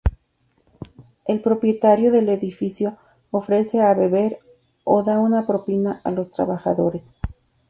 El propietario del edificio ofrece a beber o da una propina a los trabajadores.